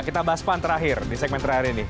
kita bahas pan terakhir di segmen terakhir ini